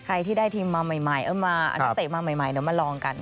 ใครที่ได้ทีมมาใหม่นักเตะมาใหม่มาลองกัน